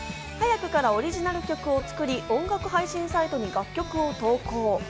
早くからオリジナル曲を作り、音楽配信サイトに楽曲を投稿。